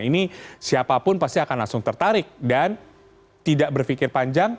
ini siapapun pasti akan langsung tertarik dan tidak berpikir panjang